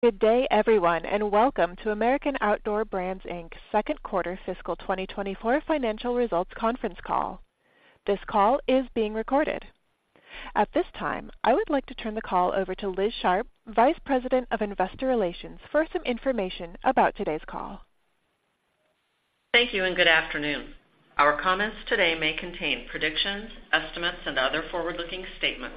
Good day, everyone, and welcome to American Outdoor Brands Inc.'s second quarter fiscal 2024 financial results conference call. This call is being recorded. At this time, I would like to turn the call over to Liz Sharp, Vice President of Investor Relations, for some information about today's call. Thank you and good afternoon. Our comments today may contain predictions, estimates, and other forward-looking statements.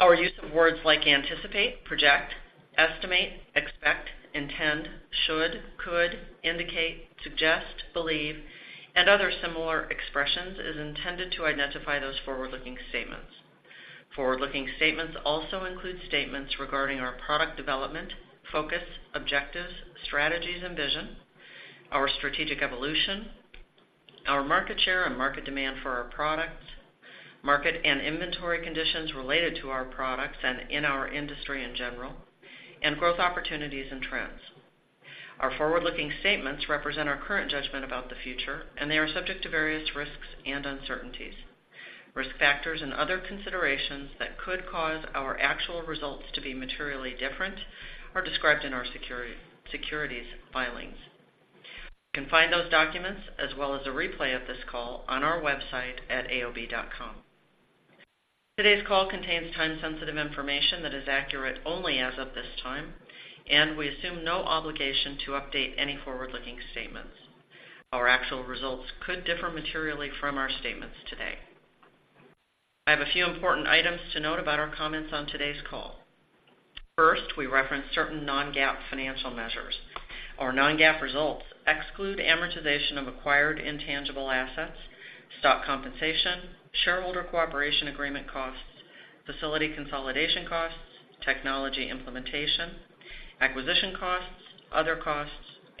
Our use of words like anticipate, project, estimate, expect, intend, should, could, indicate, suggest, believe, and other similar expressions is intended to identify those forward-looking statements. Forward-looking statements also include statements regarding our product development, focus, objectives, strategies, and vision, our strategic evolution, our market share and market demand for our products, market and inventory conditions related to our products and in our industry in general, and growth opportunities and trends. Our forward-looking statements represent our current judgment about the future, and they are subject to various risks and uncertainties. Risk factors and other considerations that could cause our actual results to be materially different are described in our securities filings. You can find those documents as well as a replay of this call on our website at aob.com. Today's call contains time-sensitive information that is accurate only as of this time, and we assume no obligation to update any forward-looking statements. Our actual results could differ materially from our statements today. I have a few important items to note about our comments on today's call. First, we reference certain non-GAAP financial measures. Our non-GAAP results exclude amortization of acquired intangible assets, stock compensation, shareholder cooperation agreement costs, facility consolidation costs, technology implementation, acquisition costs, other costs,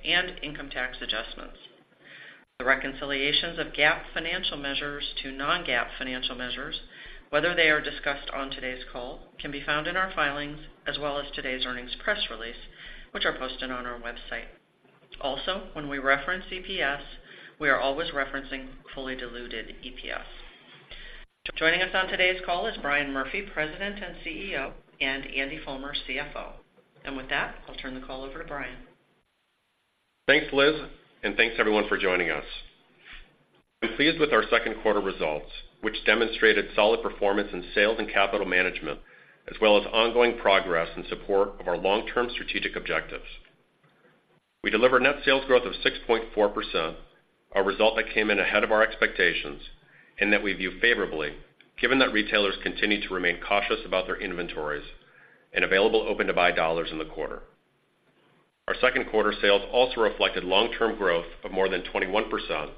and income tax adjustments. The reconciliations of GAAP financial measures to non-GAAP financial measures, whether they are discussed on today's call, can be found in our filings, as well as today's earnings press release, which are posted on our website. Also, when we reference EPS, we are always referencing fully diluted EPS. Joining us on today's call is Brian Murphy, President and CEO, and Andy Fulmer, CFO. With that, I'll turn the call over to Brian. Thanks, Liz, and thanks everyone for joining us. We're pleased with our second quarter results, which demonstrated solid performance in sales and capital management, as well as ongoing progress in support of our long-term strategic objectives. We delivered net sales growth of 6.4%, a result that came in ahead of our expectations and that we view favorably, given that retailers continued to remain cautious about their inventories and available Open-to-Buy dollars in the quarter. Our second quarter sales also reflected long-term growth of more than 21%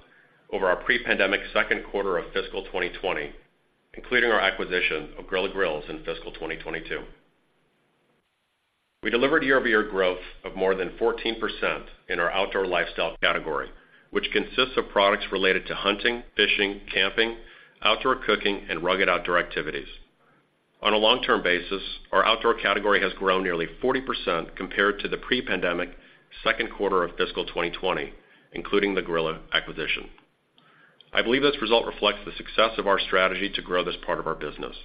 over our pre-pandemic second quarter of fiscal 2020, including our acquisition of Grilla Grills in fiscal 2022. We delivered year-over-year growth of more than 14% in our Outdoor Lifestyle category, which consists of products related to hunting, fishing, camping, outdoor cooking, and rugged outdoor activities. On a long-term basis, our outdoor category has grown nearly 40% compared to the pre-pandemic second quarter of fiscal 2020, including the Grilla acquisition. I believe this result reflects the success of our strategy to grow this part of our business.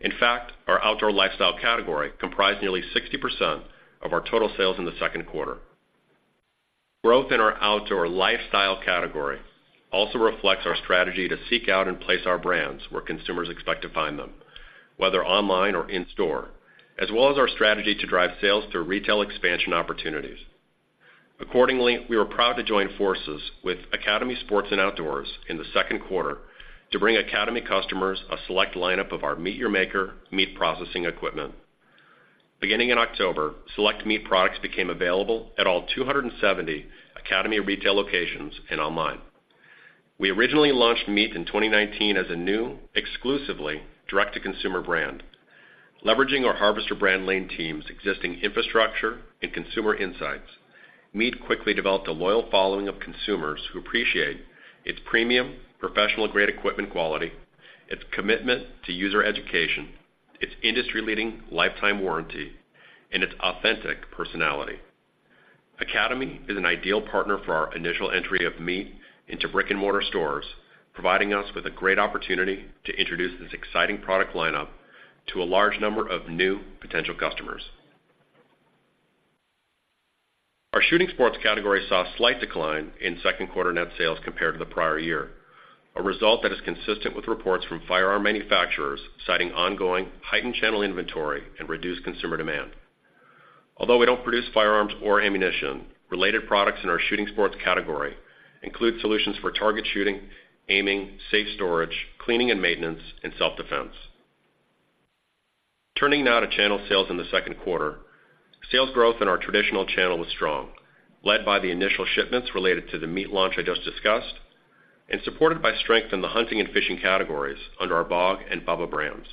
In fact, our Outdoor Lifestyle category comprised nearly 60% of our total sales in the second quarter. Growth in our Outdoor Lifestyle category also reflects our strategy to seek out and place our brands where consumers expect to find them, whether online or in-store, as well as our strategy to drive sales through retail expansion opportunities. Accordingly, we were proud to join forces with Academy Sports and Outdoors in the second quarter to bring Academy customers a select lineup of our MEAT! Your Maker MEAT! processing equipment. Beginning in October, select MEAT!! products became available at all 270 Academy retail locations and online. We originally launched MEAT! in 2019 as a new, exclusively direct-to-consumer brand. Leveraging our Harvester brand lane team's existing infrastructure and consumer insights, MEAT! quickly developed a loyal following of consumers who appreciate its premium, professional-grade equipment quality, its commitment to user education, its industry-leading lifetime warranty, and its authentic personality. Academy is an ideal partner for our initial entry of MEAT! into brick-and-mortar stores, providing us with a great opportunity to introduce this exciting product lineup to a large number of new potential customers. Our Shooting Sports category saw a slight decline in second quarter net sales compared to the prior year, a result that is consistent with reports from firearm manufacturers, citing ongoing heightened channel inventory and reduced consumer demand. Although we don't produce firearms or ammunition, related products in our Shooting Sports category include solutions for target shooting, aiming, safe storage, cleaning and maintenance, and self-defense. Turning now to channel sales in the second quarter. Sales growth in our traditional channel was strong, led by the initial shipments related to the MEAT!! launch I just discussed and supported by strength in the hunting and fishing categories under our BOG and BUBBA brands.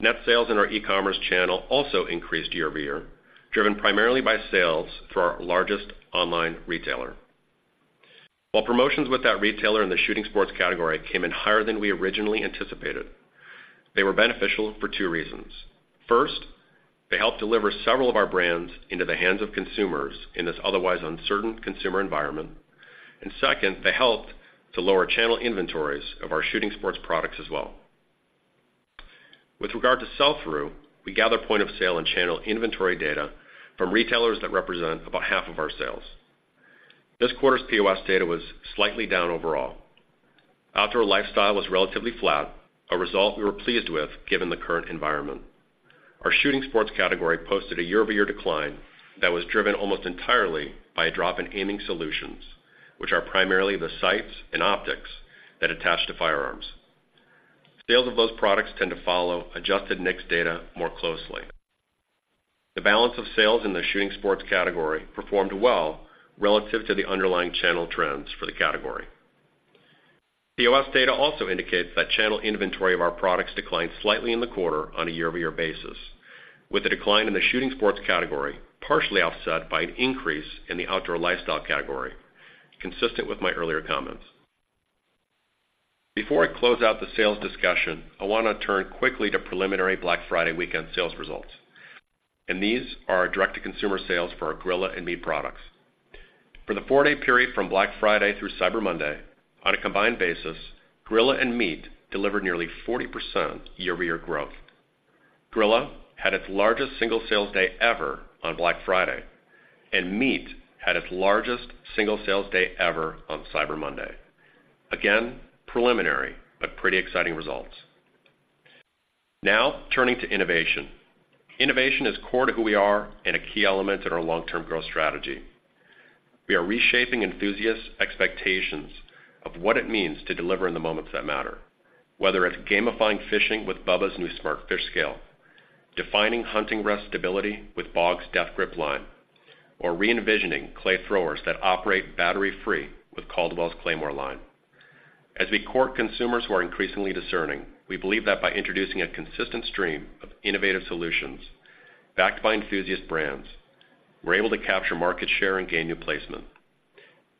Net sales in our e-commerce channel also increased year-over-year, driven primarily by sales through our largest online retailer. While promotions with that retailer in the shooting sports category came in higher than we originally anticipated, they were beneficial for two reasons. First, they helped deliver several of our brands into the hands of consumers in this otherwise uncertain consumer environment... and second, they helped to lower channel inventories of our shooting sports products as well. With regard to sell-through, we gather point of sale and channel inventory data from retailers that represent about half of our sales. This quarter's POS data was slightly down overall. Outdoor lifestyle was relatively flat, a result we were pleased with, given the current environment. Our shooting sports category posted a year-over-year decline that was driven almost entirely by a drop in Aiming Solutions, which are primarily the sights and optics that attach to firearms. Sales of those products tend to follow Adjusted NICS data more closely. The balance of sales in the shooting sports category performed well relative to the underlying channel trends for the category. POS data also indicates that channel inventory of our products declined slightly in the quarter on a year-over-year basis, with a decline in the shooting sports category, partially offset by an increase in the outdoor lifestyle category, consistent with my earlier comments. Before I close out the sales discussion, I wanna turn quickly to preliminary Black Friday weekend sales results, and these are our direct-to-consumer sales for our Grilla and MEAT! products. For the four-day period from Black Friday through Cyber Monday, on a combined basis, Grilla and MEAT! delivered nearly 40% year-over-year growth. Grilla had its largest single sales day ever on Black Friday, and MEAT! had its largest single sales day ever on Cyber Monday. Again, preliminary, but pretty exciting results. Now, turning to innovation. Innovation is core to who we are and a key element in our long-term growth strategy. We are reshaping enthusiasts' expectations of what it means to deliver in the moments that matter, whether it's gamifying fishing with BUBBA's new Smart Fish Scale, defining hunting rest stability with BOG's Death Grip line, or re-envisioning clay throwers that operate battery-free with Caldwell's Claymore line. As we court consumers who are increasingly discerning, we believe that by introducing a consistent stream of innovative solutions backed by enthusiast brands, we're able to capture market share and gain new placement.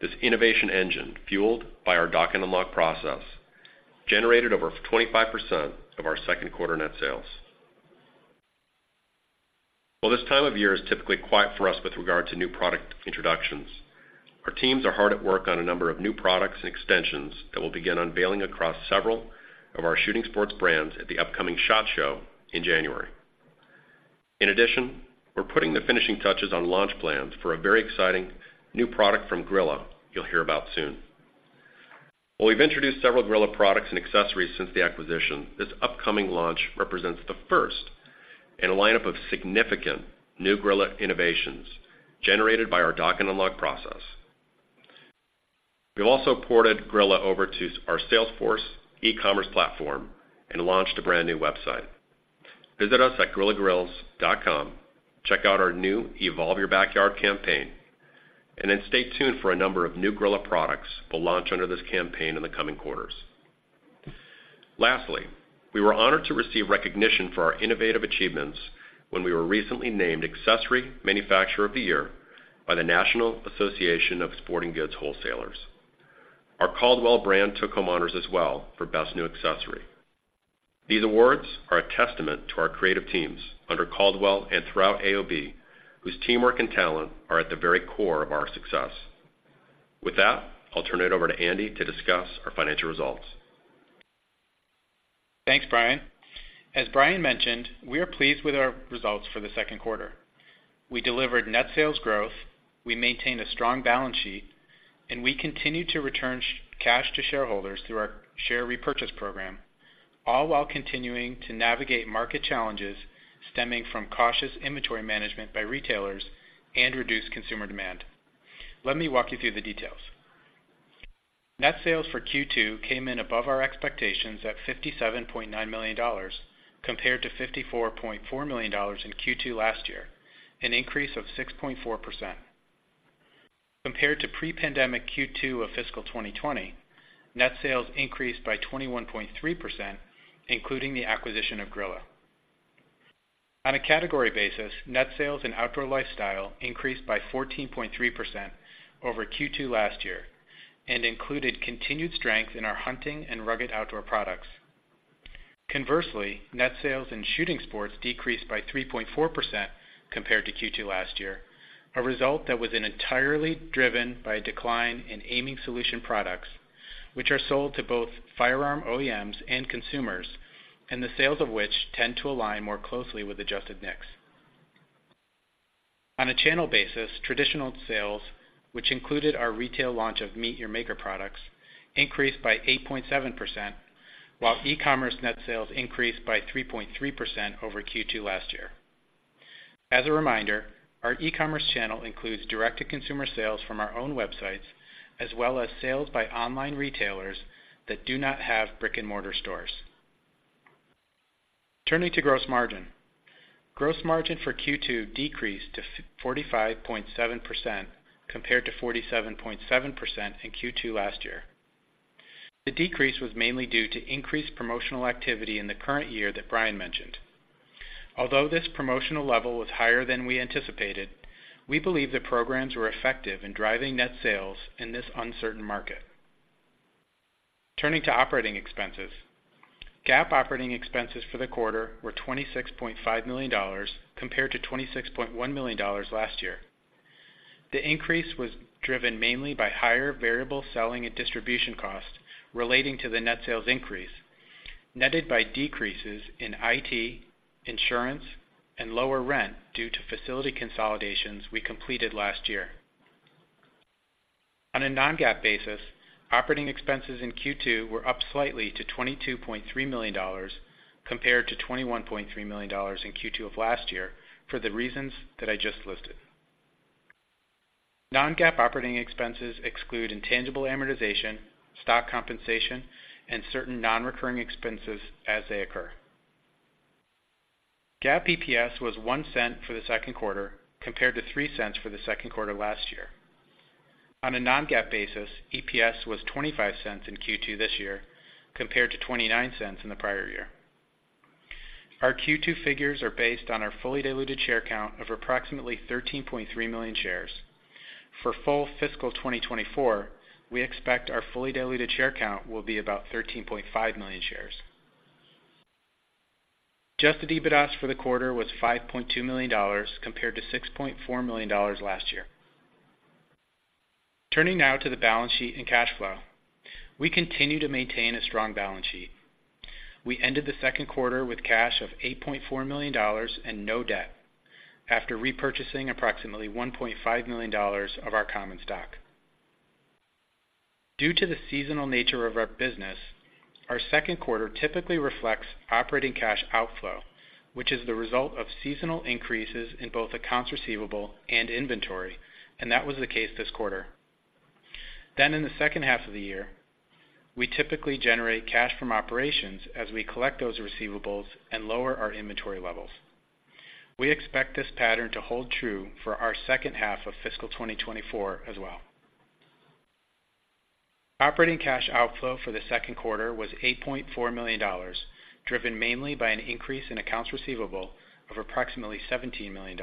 This innovation engine, fueled by our Dock and Unlock process, generated over 25% of our second quarter net sales. While this time of year is typically quiet for us with regard to new product introductions, our teams are hard at work on a number of new products and extensions that we'll begin unveiling across several of our shooting sports brands at the upcoming SHOT Show in January. In addition, we're putting the finishing touches on launch plans for a very exciting new product from Grilla you'll hear about soon. While we've introduced several Grilla products and accessories since the acquisition, this upcoming launch represents the first in a lineup of significant new Grilla innovations generated by our Dock and Unlock process. We've also ported Grilla over to our Salesforce e-commerce platform and launched a brand-new website. Visit us at grillagrills.com, check out our new Evolve Your Backyard campaign, and then stay tuned for a number of new Grilla products we'll launch under this campaign in the coming quarters. Lastly, we were honored to receive recognition for our innovative achievements when we were recently named Accessory Manufacturer of the Year by the National Association of Sporting Goods Wholesalers. Our Caldwell brand took home honors as well for Best New Accessory. These awards are a testament to our creative teams under Caldwell and throughout AOB, whose teamwork and talent are at the very core of our success. With that, I'll turn it over to Andy to discuss our financial results. Thanks, Brian. As Brian mentioned, we are pleased with our results for the second quarter. We delivered net sales growth, we maintained a strong balance sheet, and we continued to return cash to shareholders through our share repurchase program, all while continuing to navigate market challenges stemming from cautious inventory management by retailers and reduced consumer demand. Let me walk you through the details. Net sales for Q2 came in above our expectations at $57.9 million, compared to $54.4 million in Q2 last year, an increase of 6.4%. Compared to pre-pandemic Q2 of fiscal 2020, net sales increased by 21.3%, including the acquisition of Grilla. On a category basis, net sales in outdoor lifestyle increased by 14.3% over Q2 last year and included continued strength in our hunting and rugged outdoor products. Conversely, net sales in shooting sports decreased by 3.4% compared to Q2 last year, a result that was entirely driven by a decline in aiming solution products, which are sold to both firearm OEMs and consumers, and the sales of which tend to align more closely with Adjusted NICS. On a channel basis, traditional sales, which included our retail launch of MEAT!! Your Maker products, increased by 8.7%, while e-commerce net sales increased by 3.3% over Q2 last year. As a reminder, our e-commerce channel includes direct-to-consumer sales from our own websites, as well as sales by online retailers that do not have brick-and-mortar stores. Turning to gross margin. Gross margin for Q2 decreased to 45.7%, compared to 47.7% in Q2 last year. The decrease was mainly due to increased promotional activity in the current year that Brian mentioned. Although this promotional level was higher than we anticipated, we believe the programs were effective in driving net sales in this uncertain market. Turning to operating expenses. GAAP operating expenses for the quarter were $26.5 million, compared to $26.1 million last year. The increase was driven mainly by higher variable selling and distribution costs relating to the net sales increase, netted by decreases in IT, insurance, and lower rent due to facility consolidations we completed last year. On a non-GAAP basis, operating expenses in Q2 were up slightly to $22.3 million, compared to $21.3 million in Q2 of last year for the reasons that I just listed. Non-GAAP operating expenses exclude intangible amortization, stock compensation, and certain non-recurring expenses as they occur. GAAP EPS was $0.01 for the second quarter, compared to $0.03 for the second quarter last year. On a non-GAAP basis, EPS was $0.25 in Q2 this year, compared to $0.29 in the prior year. Our Q2 figures are based on our fully diluted share count of approximately 13.3 million shares. For full fiscal 2024, we expect our fully diluted share count will be about 13.5 million shares. Adjusted EBITDA for the quarter was $5.2 million, compared to $6.4 million last year. Turning now to the balance sheet and cash flow. We continue to maintain a strong balance sheet. We ended the second quarter with cash of $8.4 million and no debt, after repurchasing approximately $1.5 million of our common stock. Due to the seasonal nature of our business, our second quarter typically reflects operating cash outflow, which is the result of seasonal increases in both accounts receivable and inventory, and that was the case this quarter. Then in the second half of the year, we typically generate cash from operations as we collect those receivables and lower our inventory levels. We expect this pattern to hold true for our second half of fiscal 2024 as well. Operating cash outflow for the second quarter was $8.4 million, driven mainly by an increase in accounts receivable of approximately $17 million.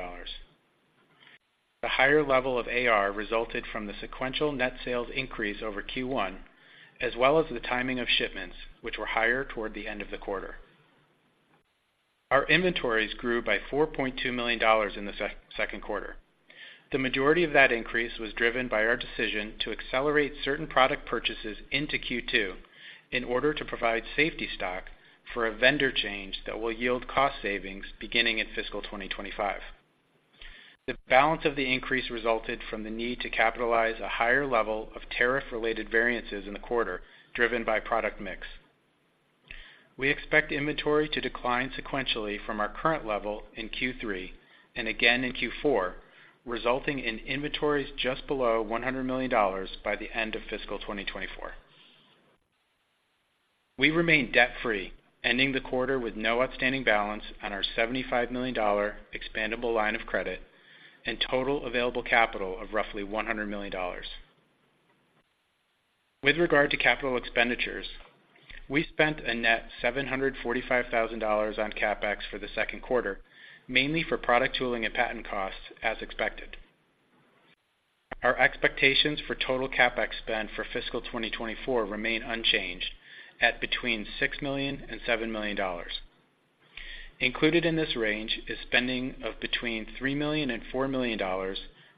The higher level of AR resulted from the sequential net sales increase over Q1, as well as the timing of shipments, which were higher toward the end of the quarter. Our inventories grew by $4.2 million in the second quarter. The majority of that increase was driven by our decision to accelerate certain product purchases into Q2 in order to provide safety stock for a vendor change that will yield cost savings beginning in fiscal 2025. The balance of the increase resulted from the need to capitalize a higher level of tariff-related variances in the quarter, driven by product mix. We expect inventory to decline sequentially from our current level in Q3 and again in Q4, resulting in inventories just below $100 million by the end of fiscal 2024. We remain debt-free, ending the quarter with no outstanding balance on our $75 million expandable line of credit and total available capital of roughly $100 million. With regard to capital expenditures, we spent a net $745,000 on CapEx for the second quarter, mainly for product tooling and patent costs, as expected. Our expectations for total CapEx spend for fiscal 2024 remain unchanged at between $6 million and $7 million. Included in this range is spending of between $3 million and $4 million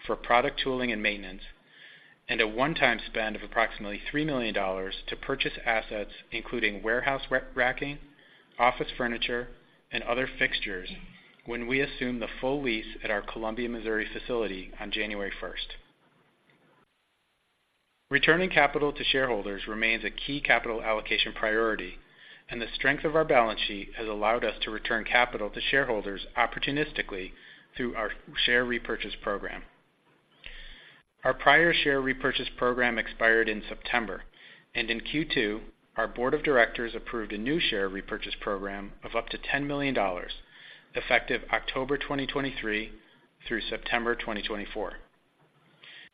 for product tooling and maintenance, and a one-time spend of approximately $3 million to purchase assets, including warehouse re-racking, office furniture, and other fixtures when we assume the full lease at our Columbia, Missouri, facility on January first. Returning capital to shareholders remains a key capital allocation priority, and the strength of our balance sheet has allowed us to return capital to shareholders opportunistically through our share repurchase program. Our prior share repurchase program expired in September, and in Q2, our board of directors approved a new share repurchase program of up to $10 million, effective October 2023 through September 2024.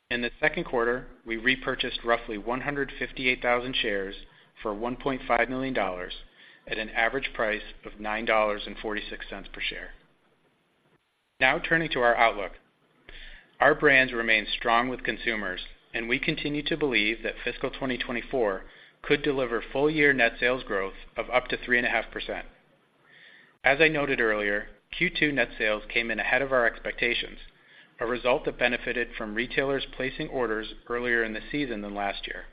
In the second quarter, we repurchased roughly 158,000 shares for $1.5 million at an average price of $9.46 per share. Now, turning to our outlook. Our brands remain strong with consumers, and we continue to believe that fiscal 2024 could deliver full-year net sales growth of up to 3.5%. As I noted earlier, Q2 net sales came in ahead of our expectations, a result that benefited from retailers placing orders earlier in the season than last year.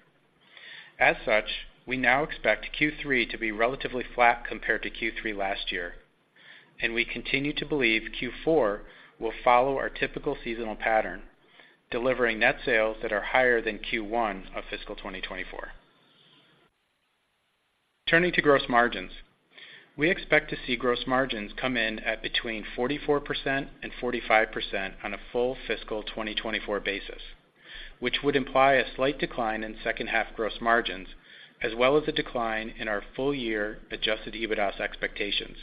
As such, we now expect Q3 to be relatively flat compared to Q3 last year, and we continue to believe Q4 will follow our typical seasonal pattern, delivering net sales that are higher than Q1 of fiscal 2024. Turning to gross margins. We expect to see gross margins come in at between 44% and 45% on a full fiscal 2024 basis, which would imply a slight decline in second-half gross margins, as well as a decline in our full-year Adjusted EBITDA expectations.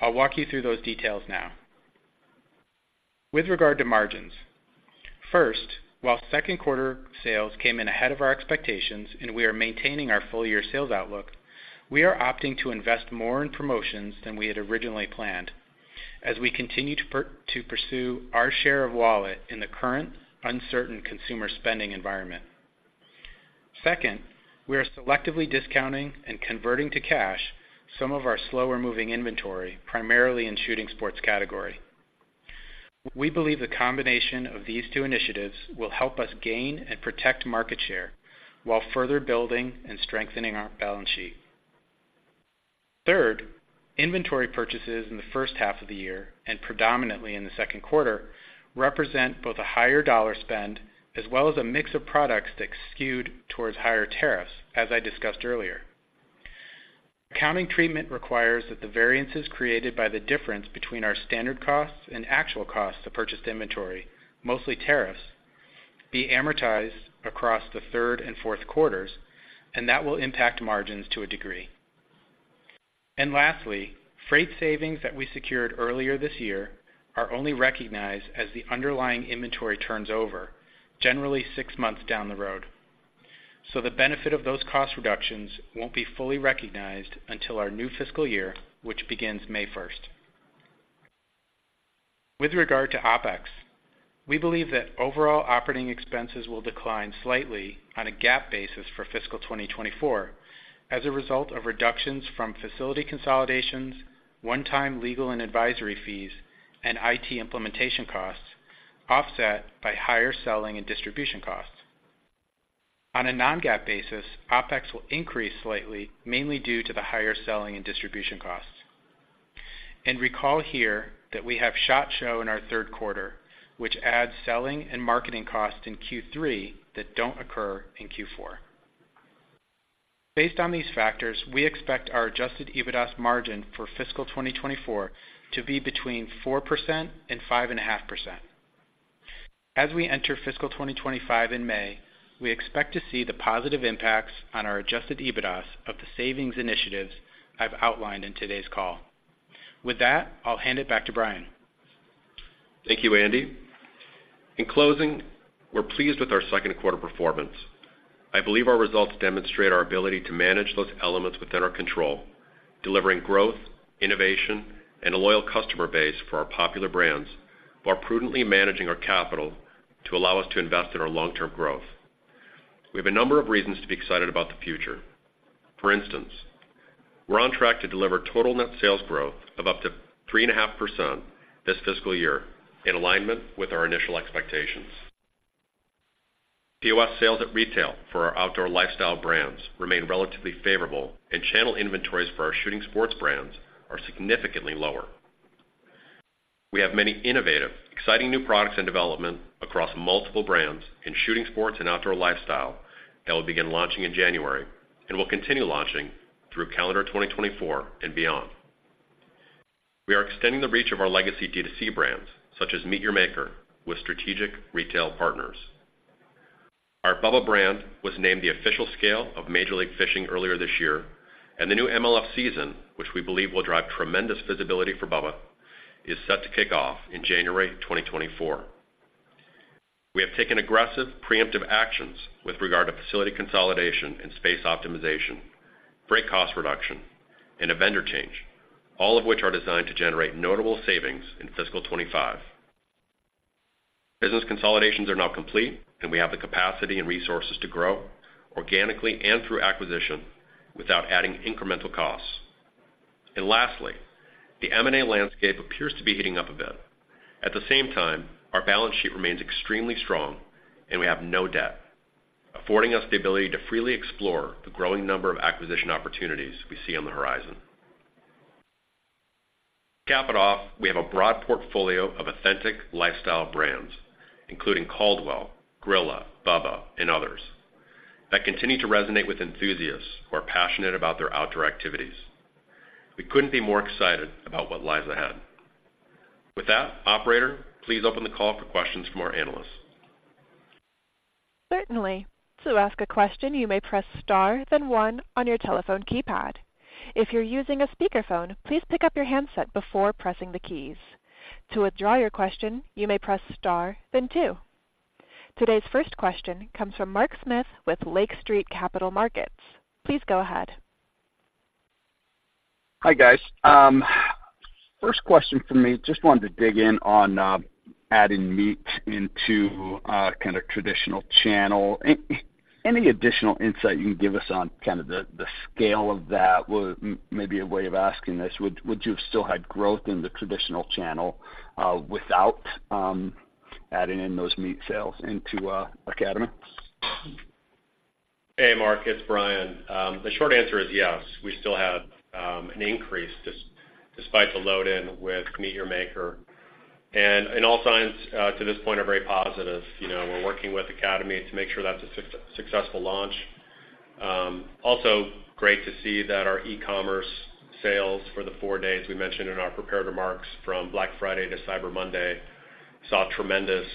I'll walk you through those details now. With regard to margins, first, while second quarter sales came in ahead of our expectations and we are maintaining our full-year sales outlook, we are opting to invest more in promotions than we had originally planned, as we continue to pursue our share of wallet in the current uncertain consumer spending environment. Second, we are selectively discounting and converting to cash some of our slower-moving inventory, primarily in shooting sports category. We believe the combination of these two initiatives will help us gain and protect market share, while further building and strengthening our balance sheet. Third, inventory purchases in the first half of the year, and predominantly in the second quarter, represent both a higher dollar spend as well as a mix of products that skewed towards higher tariffs, as I discussed earlier. Accounting treatment requires that the variances created by the difference between our standard costs and actual costs of purchased inventory, mostly tariffs, be amortized across the third and fourth quarters, and that will impact margins to a degree. Lastly, freight savings that we secured earlier this year are only recognized as the underlying inventory turns over, generally six months down the road. So the benefit of those cost reductions won't be fully recognized until our new fiscal year, which begins May 1st. With regard to OpEx, we believe that overall operating expenses will decline slightly on a GAAP basis for fiscal 2024 as a result of reductions from facility consolidations, one-time legal and advisory fees, and IT implementation costs, offset by higher selling and distribution costs. On a non-GAAP basis, OpEx will increase slightly, mainly due to the higher selling and distribution costs. And recall here that we have SHOT Show in our third quarter, which adds selling and marketing costs in Q3 that don't occur in Q4. Based on these factors, we expect our Adjusted EBITDA margin for fiscal 2024 to be between 4% and 5.5%. As we enter fiscal 2025 in May, we expect to see the positive impacts on our Adjusted EBITDA's of the savings initiatives I've outlined in today's call. With that, I'll hand it back to Brian. Thank you, Andy. In closing, we're pleased with our second quarter performance. I believe our results demonstrate our ability to manage those elements within our control, delivering growth, innovation, and a loyal customer base for our popular brands, while prudently managing our capital to allow us to invest in our long-term growth. We have a number of reasons to be excited about the future. For instance, we're on track to deliver total net sales growth of up to 3.5% this fiscal year, in alignment with our initial expectations. POS sales at retail for our outdoor lifestyle brands remain relatively favorable, and channel inventories for our shooting sports brands are significantly lower. We have many innovative, exciting new products in development across multiple brands in shooting sports and outdoor lifestyle that will begin launching in January and will continue launching through calendar 2024 and beyond. We are extending the reach of our legacy D2C brands, such as MEAT!! Your Maker, with strategic retail partners. Our BUBBA brand was named the official scale of Major League Fishing earlier this year, and the new MLF season, which we believe will drive tremendous visibility for BUBBA, is set to kick off in January 2024. We have taken aggressive, preemptive actions with regard to facility consolidation and space optimization, freight cost reduction, and a vendor change, all of which are designed to generate notable savings in fiscal 2025. Business consolidations are now complete, and we have the capacity and resources to grow organically and through acquisition without adding incremental costs. Lastly, the M&A landscape appears to be heating up a bit. At the same time, our balance sheet remains extremely strong, and we have no debt, affording us the ability to freely explore the growing number of acquisition opportunities we see on the horizon. To cap it off, we have a broad portfolio of authentic lifestyle brands, including Caldwell, Grilla, Bubba, and others, that continue to resonate with enthusiasts who are passionate about their outdoor activities. We couldn't be more excited about what lies ahead. With that, operator, please open the call for questions from our analysts. Certainly. To ask a question, you may press Star, then one on your telephone keypad. If you're using a speakerphone, please pick up your handset before pressing the keys. To withdraw your question, you may press Star, then two. Today's first question comes from Mark Smith with Lake Street Capital Markets. Please go ahead. Hi, guys. First question for me, just wanted to dig in on adding MEAT! into kind of traditional channel. Any additional insight you can give us on kind of the scale of that? Maybe a way of asking this, would you have still had growth in the traditional channel without adding in those MEAT! sales into Academy? Hey, Mark, it's Brian. The short answer is yes. We still have an increase, despite the load-in with MEAT!! Your Maker. And all signs to this point are very positive. You know, we're working with Academy to make sure that's a successful launch. Also great to see that our e-commerce sales for the four days we mentioned in our prepared remarks, from Black Friday to Cyber Monday, saw tremendous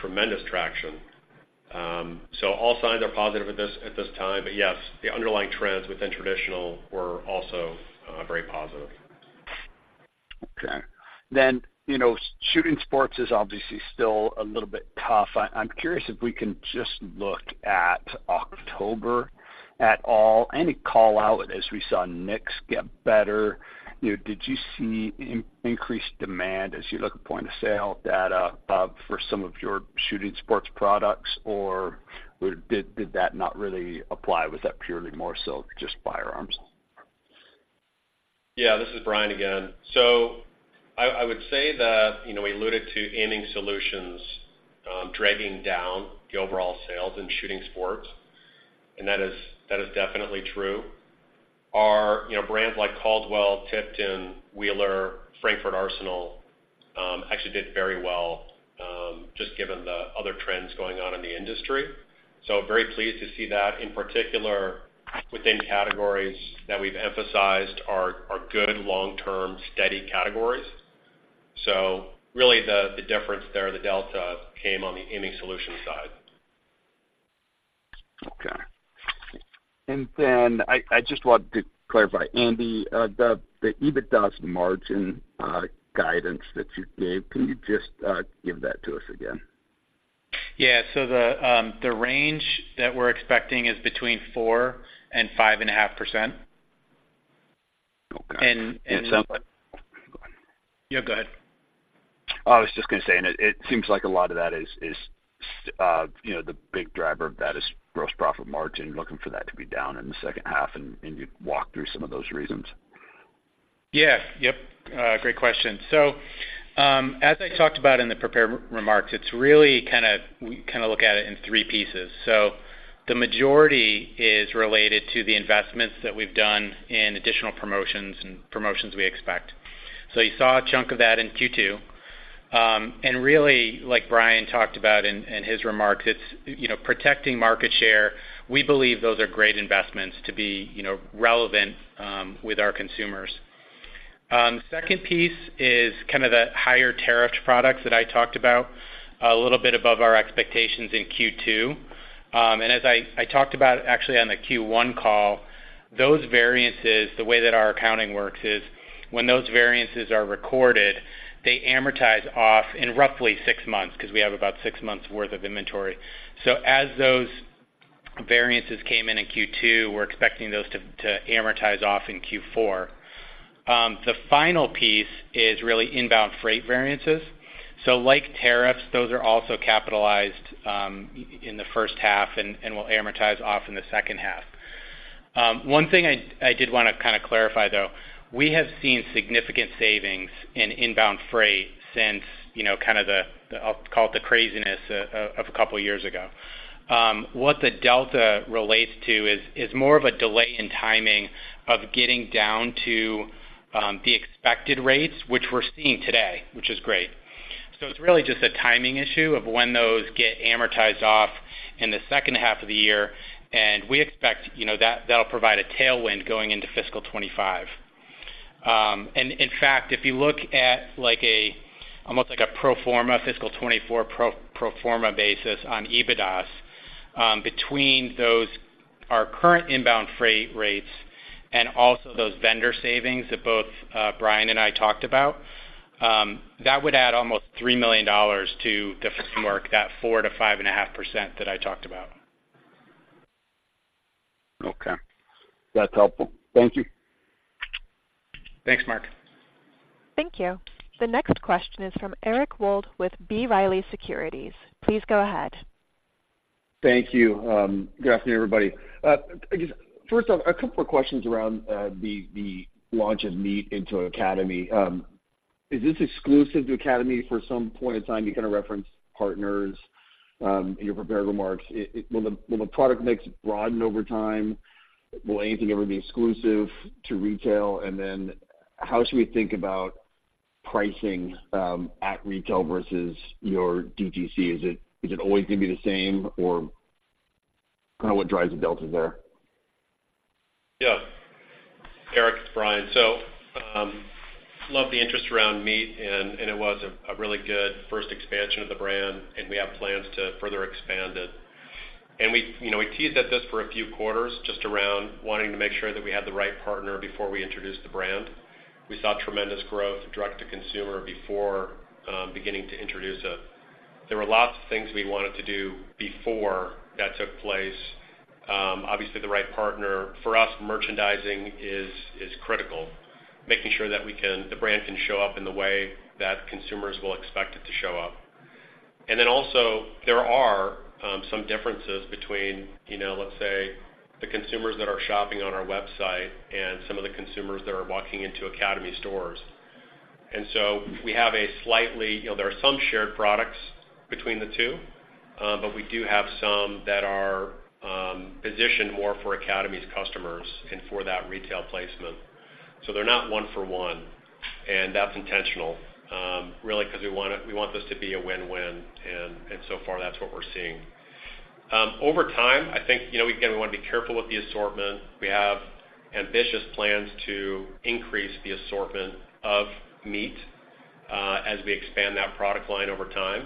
tremendous traction. So all signs are positive at this time. But yes, the underlying trends within traditional were also very positive.... Okay. Then, you know, shooting sports is obviously still a little bit tough. I'm curious if we can just look at October at all, any call-out as we saw NICS get better, you know, did you see increased demand as you look at point of sale data for some of your shooting sports products, or would-did that not really apply? Was that purely more so just firearms? Yeah, this is Brian again. So I would say that, you know, we alluded to Aiming Solutions dragging down the overall sales in shooting sports, and that is definitely true. Our, you know, brands like Caldwell, Tipton, Wheeler, Frankford Arsenal actually did very well just given the other trends going on in the industry. So very pleased to see that, in particular, within categories that we've emphasized are good long-term, steady categories. So really, the difference there, the delta, came on the Aiming Solutions side. Okay. Then I just want to clarify, Andy, the EBITDA's margin guidance that you gave, can you just give that to us again? Yeah. So the range that we're expecting is between 4% and 5.5%. Okay. And, and- It sounds like... Go ahead. Yeah, go ahead. I was just gonna say, and it seems like a lot of that is, you know, the big driver of that is gross profit margin. You're looking for that to be down in the second half, and you'd walk through some of those reasons. Yeah. Yep, great question. So, as I talked about in the prepared remarks, it's really kind of, we kind of look at it in three pieces. So the majority is related to the investments that we've done in additional promotions and promotions we expect. So you saw a chunk of that in Q2. And really, like Brian talked about in his remarks, it's, you know, protecting market share. We believe those are great investments to be, you know, relevant with our consumers. The second piece is kind of the higher tariff products that I talked about, a little bit above our expectations in Q2. And as I talked about actually on the Q1 call, those variances, the way that our accounting works, is when those variances are recorded, they amortize off in roughly six months, 'cause we have about six months' worth of inventory. So as those variances came in in Q2, we're expecting those to amortize off in Q4. The final piece is really inbound freight variances. So like tariffs, those are also capitalized in the first half and will amortize off in the second half. One thing I did wanna kind of clarify, though, we have seen significant savings in inbound freight since, you know, kind of the craziness of a couple of years ago. What the delta relates to is more of a delay in timing of getting down to the expected rates, which we're seeing today, which is great. So it's really just a timing issue of when those get amortized off in the second half of the year, and we expect, you know, that'll provide a tailwind going into fiscal 2025. And in fact, if you look at like a, almost like a pro forma, fiscal 2024 pro forma basis on EBITDA, between those, our current inbound freight rates and also those vendor savings that both Brian and I talked about, that would add almost $3 million to the framework, that 4%-5.5% that I talked about. Okay. That's helpful. Thank you. Thanks, Mark. Thank you. The next question is from Eric Wold with B. Riley Securities. Please go ahead. Thank you. Good afternoon, everybody. I guess, first off, a couple of questions around the launch of MEAT! into Academy. Is this exclusive to Academy for some point in time? You kind of referenced partners in your prepared remarks. Will the product mix broaden over time? Will anything ever be exclusive to retail? And then, how should we think about pricing at retail versus your DTC? Is it always going to be the same, or kind of what drives the delta there? Yeah. Eric, it's Brian. So, love the interest around MEAT!, and it was a really good first expansion of the brand, and we have plans to further expand it. And we, you know, we teased at this for a few quarters, just around wanting to make sure that we had the right partner before we introduced the brand. We saw tremendous growth, direct-to-consumer, before beginning to introduce it. There were lots of things we wanted to do before that took place. Obviously, the right partner, for us, merchandising is critical. Making sure that we can—the brand can show up in the way that consumers will expect it to show up. And then also, there are some differences between, you know, let's say, the consumers that are shopping on our website and some of the consumers that are walking into Academy stores. And so we have a slightly you know, there are some shared products between the two, but we do have some that are positioned more for Academy's customers and for that retail placement. So they're not one for one, and that's intentional, really because we want this to be a win-win, and, and so far, that's what we're seeing. Over time, I think, you know, again, we want to be careful with the assortment. We have ambitious plans to increase the assortment of MEAT! as we expand that product line over time.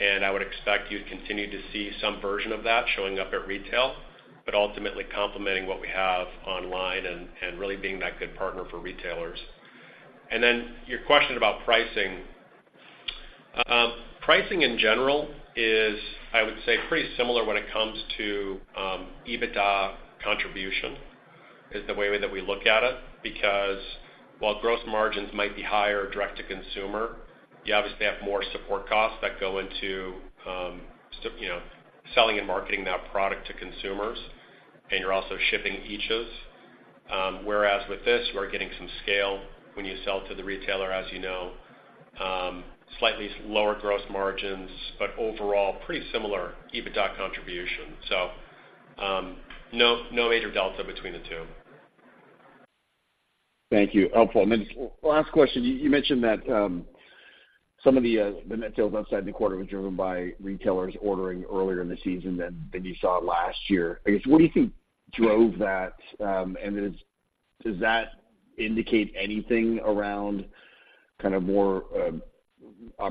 And I would expect you to continue to see some version of that showing up at retail, but ultimately complementing what we have online and, and really being that good partner for retailers. And then your question about pricing. Pricing, in general, is, I would say, pretty similar when it comes to, EBITDA contribution, is the way that we look at it. Because while gross margins might be higher direct-to-consumer, you obviously have more support costs that go into, you know, selling and marketing that product to consumers, and you're also shipping eaches. Whereas with this, you are getting some scale when you sell to the retailer, as you know, slightly lower gross margins, but overall, pretty similar EBITDA contribution. So, no, no major delta between the two. Thank you. Helpful. And then last question, you mentioned that some of the net sales outside the quarter were driven by retailers ordering earlier in the season than you saw last year. I guess, what do you think drove that? And then does that indicate anything around kind of more opportunity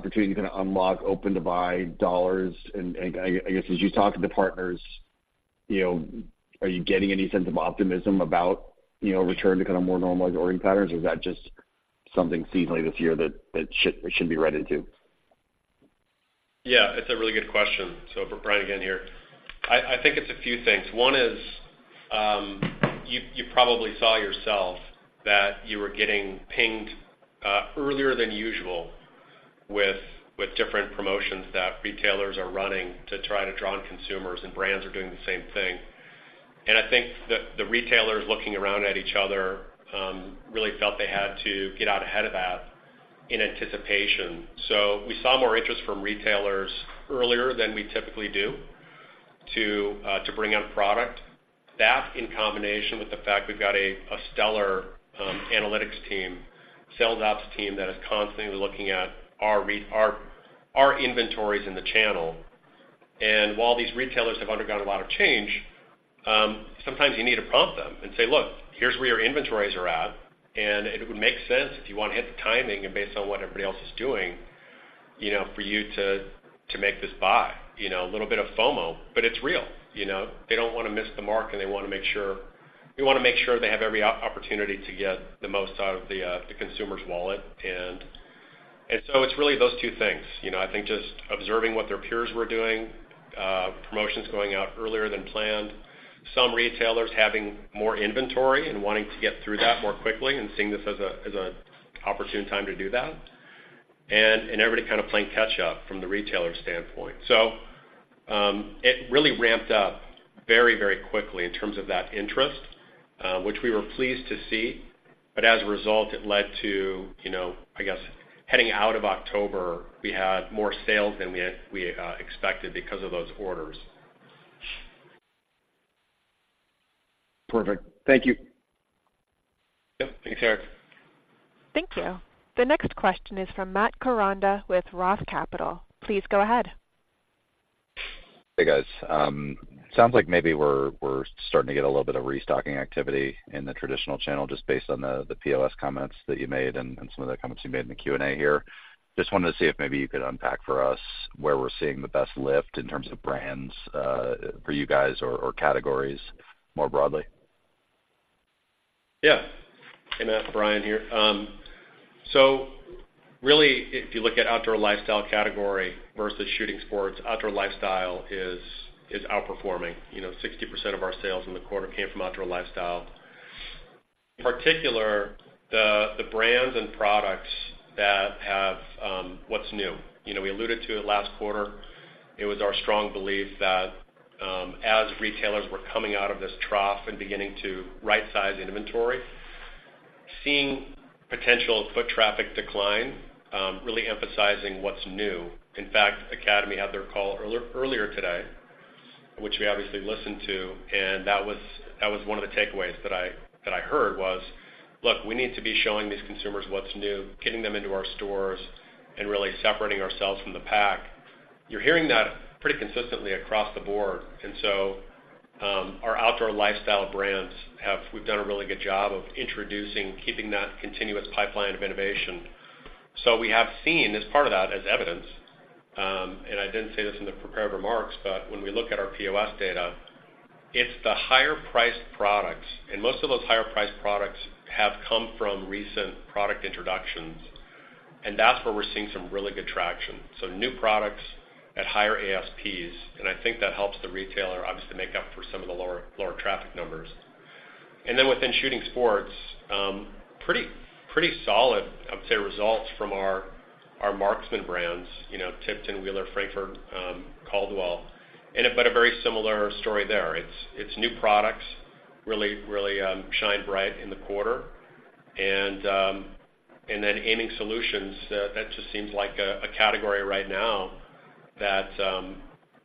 to kind of unlock Open-to-Buy dollars? And I guess, as you talk to the partners, you know, are you getting any sense of optimism about, you know, return to kind of more normalized ordering patterns, or is that just something seasonally this year that should be read into? Yeah, it's a really good question. So for Brian, again, here. I think it's a few things. One is, you probably saw yourself that you were getting pinged earlier than usual with different promotions that retailers are running to try to draw in consumers, and brands are doing the same thing. And I think the retailers looking around at each other really felt they had to get out ahead of that in anticipation. So we saw more interest from retailers earlier than we typically do to bring out product. That, in combination with the fact we've got a stellar analytics team, sales ops team, that is constantly looking at our inventories in the channel. And while these retailers have undergone a lot of change, sometimes you need to prompt them and say, "Look, here's where your inventories are at, and it would make sense if you want to hit the timing and based on what everybody else is doing, you know, for you to, to make this buy." You know, a little bit of FOMO, but it's real, you know? They don't want to miss the mark, and they want to make sure—we want to make sure they have every opportunity to get the most out of the consumer's wallet. And so it's really those two things. You know, I think just observing what their peers were doing, promotions going out earlier than planned, some retailers having more inventory and wanting to get through that more quickly and seeing this as an opportune time to do that, and everybody kind of playing catch up from the retailer standpoint. So, it really ramped up very, very quickly in terms of that interest, which we were pleased to see. But as a result, it led to, you know, I guess, heading out of October, we had more sales than we expected because of those orders. Perfect. Thank you. Yep. Thanks, Eric. Thank you. The next question is from Matt Koranda with Roth Capital. Please go ahead. Hey, guys. Sounds like maybe we're starting to get a little bit of restocking activity in the traditional channel, just based on the POS comments that you made and some of the comments you made in the Q&A here. Just wanted to see if maybe you could unpack for us where we're seeing the best lift in terms of brands, for you guys or categories more broadly? Yeah. Hey, Matt, Brian here. So really, if you look at outdoor lifestyle category versus shooting sports, outdoor lifestyle is outperforming. You know, 60% of our sales in the quarter came from outdoor lifestyle. In particular, the brands and products that have what's new. You know, we alluded to it last quarter. It was our strong belief that, as retailers were coming out of this trough and beginning to right-size inventory, seeing potential foot traffic decline, really emphasizing what's new. In fact, Academy had their call earlier today, which we obviously listened to, and that was one of the takeaways that I heard was: "Look, we need to be showing these consumers what's new, getting them into our stores, and really separating ourselves from the pack." You're hearing that pretty consistently across the board. And so, our outdoor lifestyle brands have—we've done a really good job of introducing, keeping that continuous pipeline of innovation. So we have seen as part of that, as evidence, and I didn't say this in the prepared remarks, but when we look at our POS data, it's the higher-priced products, and most of those higher-priced products have come from recent product introductions, and that's where we're seeing some really good traction. So new products at higher ASPs, and I think that helps the retailer obviously make up for some of the lower, lower traffic numbers. And then within shooting sports, pretty, pretty solid, I would say, results from our, our marksman brands, you know, Tipton, Wheeler, Frankford, Caldwell, and but a very similar story there. It's, it's new products really, really, shined bright in the quarter. And then aiming solutions, that just seems like a category right now that,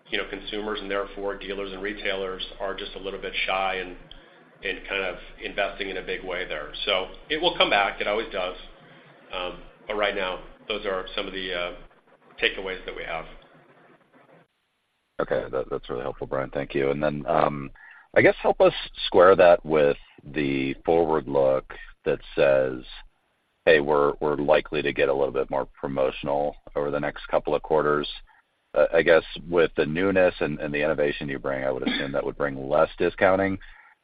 you know, consumers and therefore dealers and retailers are just a little bit shy in kind of investing in a big way there. So it will come back. It always does. But right now, those are some of the takeaways that we have.... Okay, that, that's really helpful, Brian. Thank you. And then, I guess help us square that with the forward look that says, "Hey, we're, we're likely to get a little bit more promotional over the next couple of quarters." I guess, with the newness and, and the innovation you bring, I would assume that would bring less discounting.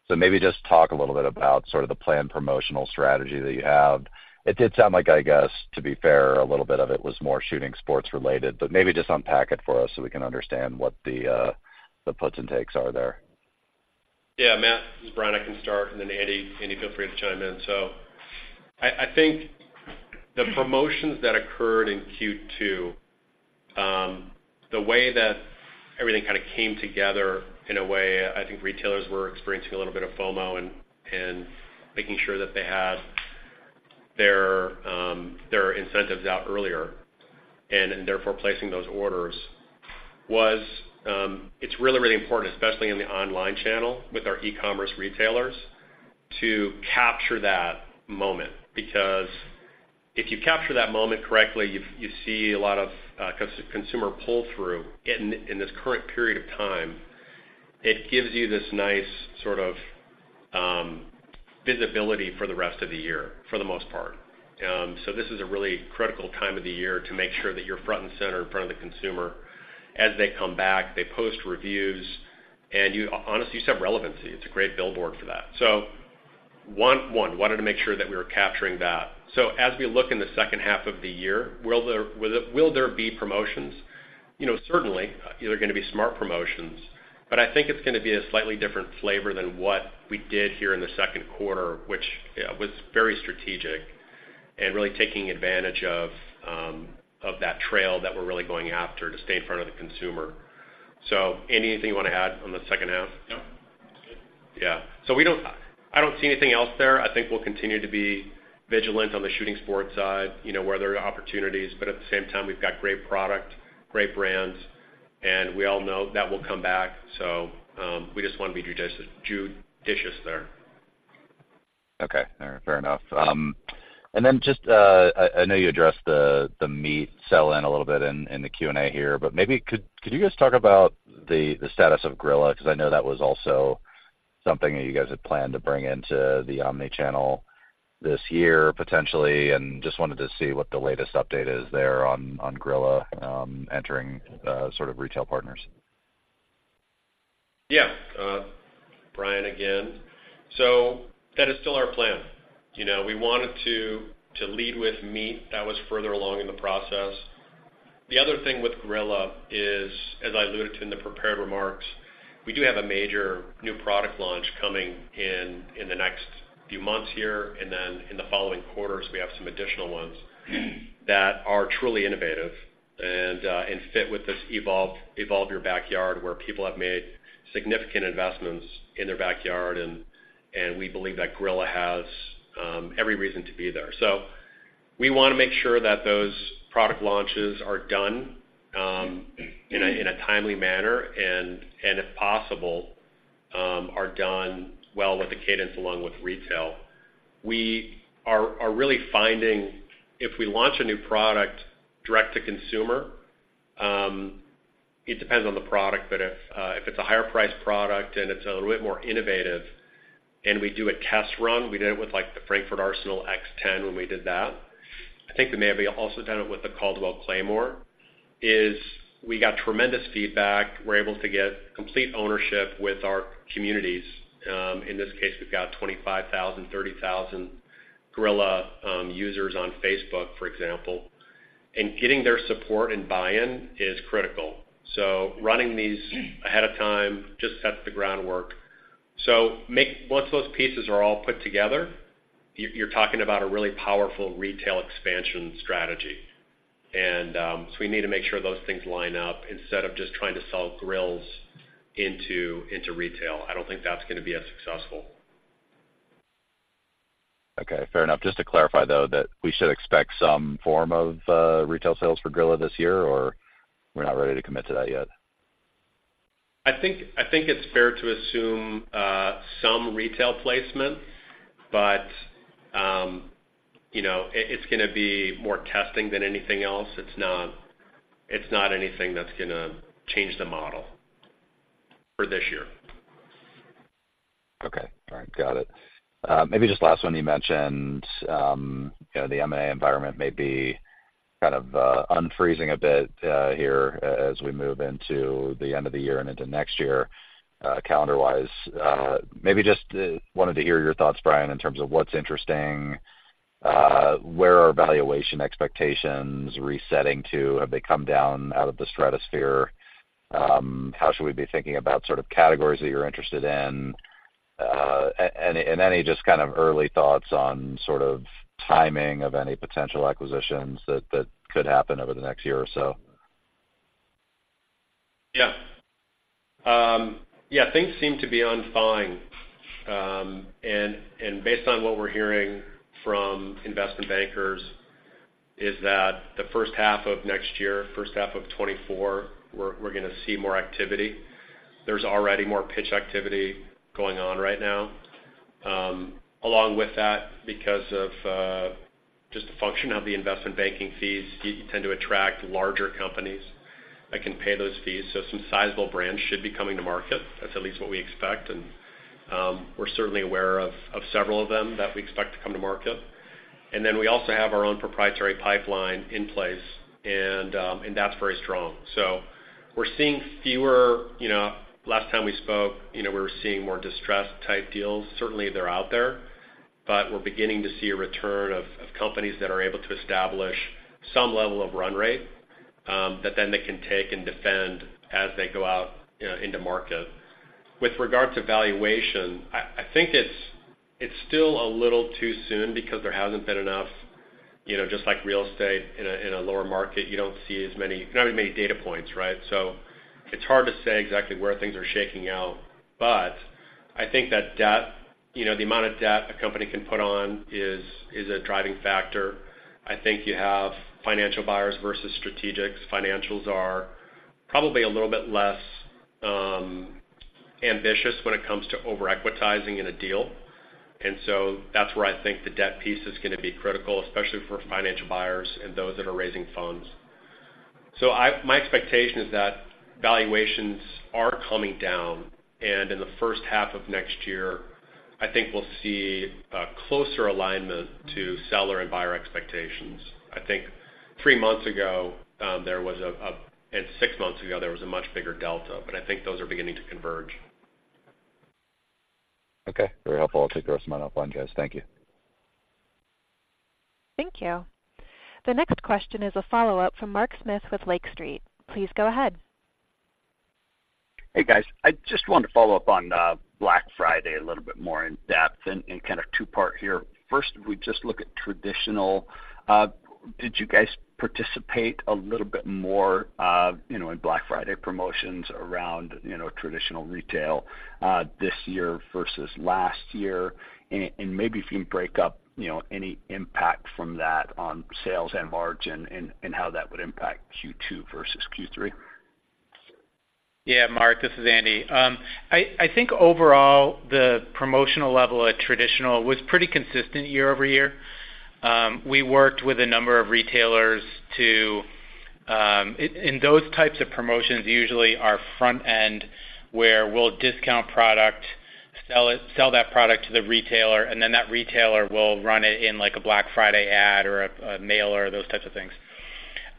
So maybe just talk a little bit about sort of the planned promotional strategy that you have. It did sound like, I guess, to be fair, a little bit of it was more shooting sports related, but maybe just unpack it for us so we can understand what the, the puts and takes are there. Yeah, Matt, this is Brian. I can start, and then Andy, Andy, feel free to chime in. So I, I think the promotions that occurred in Q2, the way that everything kind of came together in a way, I think retailers were experiencing a little bit of FOMO and, and making sure that they had their, their incentives out earlier, and therefore, placing those orders, was-- it's really, really important, especially in the online channel with our e-commerce retailers, to capture that moment. Because if you capture that moment correctly, you see a lot of, consumer pull-through in, in this current period of time. It gives you this nice sort of, visibility for the rest of the year, for the most part. So this is a really critical time of the year to make sure that you're front and center in front of the consumer. As they come back, they post reviews, and you honestly set relevancy. It's a great billboard for that. So one wanted to make sure that we were capturing that. So as we look in the second half of the year, will there be promotions? You know, certainly. They're gonna be smart promotions, but I think it's gonna be a slightly different flavor than what we did here in the second quarter, which was very strategic and really taking advantage of that trail that we're really going after to stay in front of the consumer. So Andy, anything you want to add on the second half? No. I'm good. Yeah. So we don't, I don't see anything else there. I think we'll continue to be vigilant on the shooting sports side, you know, where there are opportunities, but at the same time, we've got great product, great brands, and we all know that will come back. So, we just want to be judicious there. Okay, fair enough. And then just, I know you addressed the MEAT! sell-in a little bit in the Q&A here, but maybe could you just talk about the status of Grilla? Because I know that was also something that you guys had planned to bring into the omni-channel this year, potentially, and just wanted to see what the latest update is there on Grilla entering sort of retail partners. Yeah. Brian, again. So that is still our plan. You know, we wanted to lead with MEAT!. That was further along in the process. The other thing with Grilla is, as I alluded to in the prepared remarks, we do have a major new product launch coming in the next few months here, and then in the following quarters, we have some additional ones that are truly innovative and fit with this evolve your backyard, where people have made significant investments in their backyard, and we believe that Grilla has every reason to be there. So we want to make sure that those product launches are done in a timely manner, and if possible, are done well with the cadence along with retail. We are really finding if we launch a new product direct to consumer, it depends on the product, but if it's a higher priced product and it's a little bit more innovative and we do a test run, we did it with, like, the Frankford Arsenal X10 when we did that. I think we may have also done it with the Caldwell Claymore. We got tremendous feedback. We're able to get complete ownership with our communities. In this case, we've got 25,000-30,000 Grilla users on Facebook, for example, and getting their support and buy-in is critical. So running these ahead of time just sets the groundwork. Once those pieces are all put together, you're talking about a really powerful retail expansion strategy. We need to make sure those things line up instead of just trying to sell Grillas into retail. I don't think that's gonna be as successful. Okay, fair enough. Just to clarify, though, that we should expect some form of retail sales for Grilla this year, or we're not ready to commit to that yet? I think, I think it's fair to assume some retail placement, but, you know, it, it's gonna be more testing than anything else. It's not, it's not anything that's gonna change the model for this year. Okay. All right. Got it. Maybe just last one, you mentioned, you know, the M&A environment may be kind of unfreezing a bit here as we move into the end of the year and into next year, calendar-wise. Maybe just wanted to hear your thoughts, Brian, in terms of what's interesting, where are valuation expectations resetting to? Have they come down out of the stratosphere? How should we be thinking about sort of categories that you're interested in and any just kind of early thoughts on sort of timing of any potential acquisitions that could happen over the next year or so? Yeah. Yeah, things seem to be unfurling, and based on what we're hearing from investment bankers, is that the first half of next year, first half of 2024, we're gonna see more activity. There's already more pitch activity going on right now. Along with that, because of just the function of the investment banking fees, you tend to attract larger companies that can pay those fees. So some sizable brands should be coming to market. That's at least what we expect, and we're certainly aware of several of them that we expect to come to market. And then we also have our own proprietary pipeline in place, and that's very strong. So we're seeing fewer. You know, last time we spoke, you know, we were seeing more distressed type deals. Certainly, they're out there, but we're beginning to see a return of companies that are able to establish some level of run rate that then they can take and defend as they go out, you know, into market. With regard to valuation, I think it's still a little too soon because there hasn't been enough, you know, just like real estate in a lower market, you don't see not many data points, right? So it's hard to say exactly where things are shaking out, but I think that debt, you know, the amount of debt a company can put on is a driving factor. I think you have financial buyers versus strategics. Financials are probably a little bit less ambitious when it comes to over-equitizing in a deal, and so that's where I think the debt piece is gonna be critical, especially for financial buyers and those that are raising funds. So my expectation is that valuations are coming down, and in the first half of next year, I think we'll see a closer alignment to seller and buyer expectations. I think three months ago there was. And six months ago there was a much bigger delta, but I think those are beginning to converge. Okay, very helpful. I'll take the rest of my time offline, guys. Thank you. Thank you. The next question is a follow-up from Mark Smith with Lake Street. Please go ahead. Hey, guys. I just wanted to follow up on Black Friday a little bit more in depth and kind of two-part here. First, if we just look at traditional, did you guys participate a little bit more, you know, in Black Friday promotions around, you know, traditional retail this year versus last year? And maybe if you can break up, you know, any impact from that on sales and margin and how that would impact Q2 versus Q3. Yeah, Mark, this is Andy. I think overall, the promotional level at traditional was pretty consistent year-over-year. We worked with a number of retailers to. In those types of promotions, usually our front end, where we'll discount product, sell it - sell that product to the retailer, and then that retailer will run it in, like, a Black Friday ad or a mailer, those types of things.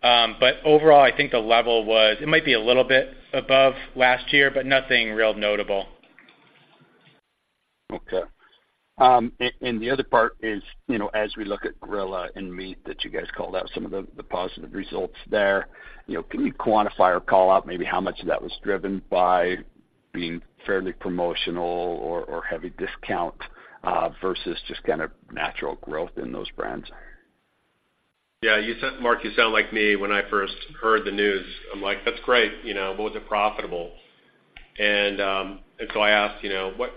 But overall, I think the level was. It might be a little bit above last year, but nothing real notable. Okay. And the other part is, you know, as we look at Grilla and MEAT!, that you guys called out some of the positive results there, you know, can you quantify or call out maybe how much of that was driven by being fairly promotional or heavy discount versus just kind of natural growth in those brands? Yeah, you sound-- Mark, you sound like me when I first heard the news. I'm like: That's great, you know, but was it profitable? And so I asked, you know, what...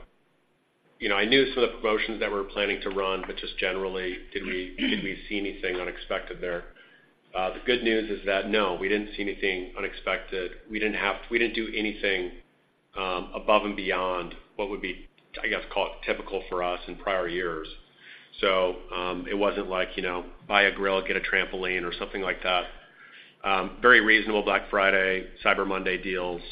You know, I knew some of the promotions that we were planning to run, but just generally, did we, did we see anything unexpected there? The good news is that, no, we didn't see anything unexpected. We didn't do anything above and beyond what would be, I guess, call it typical for us in prior years. So, it wasn't like, you know, buy a grill, get a trampoline, or something like that. Very reasonable Black Friday, Cyber Monday deals,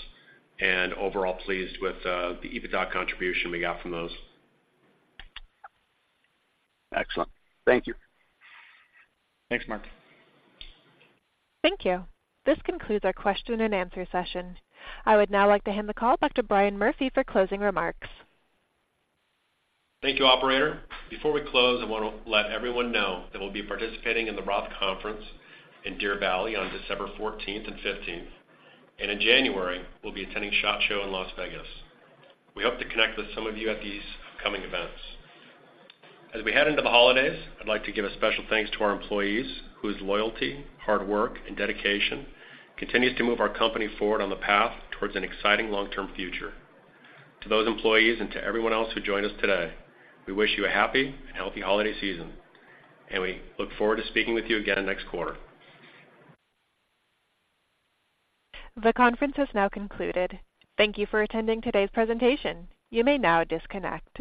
and overall pleased with the EBITDA contribution we got from those. Excellent. Thank you. Thanks, Mark. Thank you. This concludes our question-and-answer session. I would now like to hand the call back to Brian Murphy for closing remarks. Thank you, operator. Before we close, I want to let everyone know that we'll be participating in the Roth Conference in Deer Valley on December 14th and 15th, and in January, we'll be attending SHOT Show in Las Vegas. We hope to connect with some of you at these upcoming events. As we head into the holidays, I'd like to give a special thanks to our employees, whose loyalty, hard work, and dedication continues to move our company forward on the path towards an exciting long-term future. To those employees and to everyone else who joined us today, we wish you a happy and healthy holiday season, and we look forward to speaking with you again next quarter. The conference has now concluded. Thank you for attending today's presentation. You may now disconnect.